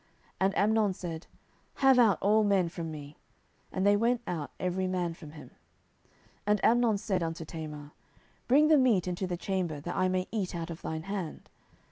And Amnon said, Have out all men from me. And they went out every man from him. 10:013:010 And Amnon said unto Tamar, Bring the meat into the chamber, that I may eat of thine hand.